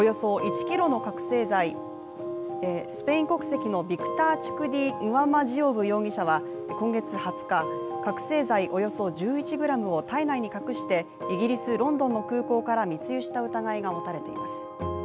スペイン国籍のビクター・チュクディ・ンワマジオブ容疑者は今月２０日、覚醒剤およそ１１ｇを体内に隠して、イギリス・ロンドンの空港から密輸した疑いが持たれています。